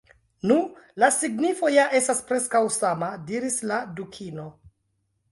"Nu, la signifo ja estas preskaŭ sama," diris la Dukino